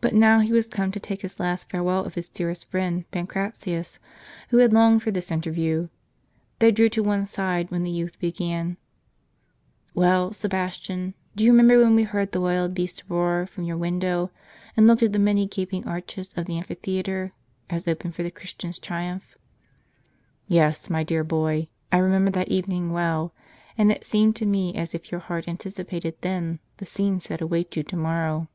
But now he was come to take his last farewell of his dearest friend, Pancratius, who had longed for this interview. They drew to one side, when the youth began :" Well, Sebastian, do you remember when we heard the wild beasts roar, from your window, and looked at the many gaping arches of the amphitheatre, as open for the Christian's triumph? "" Yes, my dear boy ; I remember that evening well, and it seemed to me as if your heart anticipated then, the scenes that await you to morrow."